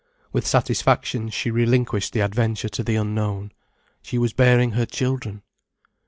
With satisfaction she relinquished the adventure to the unknown. She was bearing her children.